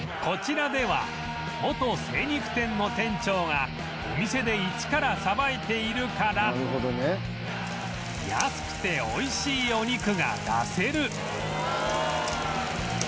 こちらでは元精肉店の店長がお店で一からさばいているから安くて美味しいお肉が出せる